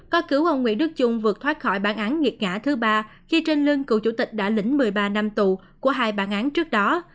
có cứu ông nguyễn đức trung vượt thoát khỏi bản án nghiệt ngã thứ ba khi trên lưng cựu chủ tịch đã lĩnh một mươi ba năm tù của hai bản án trước đó